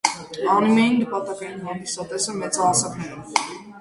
Անիմեի նպատակային հանդիսատեսը մեծահասկաներն են։